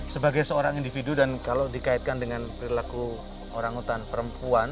sebagai seorang individu dan kalau dikaitkan dengan perilaku orangutan perempuan